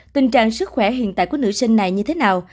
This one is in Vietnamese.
tình trạng sức khỏe hiện tại của nữ sinh này như thế nào